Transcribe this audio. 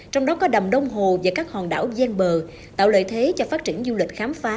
trong đó có đầm đông hồ và các hòn đảo gian bờ tạo lợi thế cho phát triển du lịch khám phá